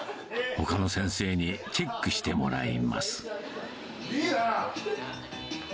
ほかの先生にチェックしてもらいいいねー。